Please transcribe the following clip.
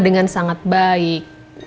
dengan sangat baik